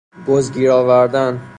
بز گیرآوردن